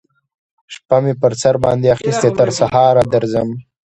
شپه می پر سر باندی اخیستې تر سهاره درځم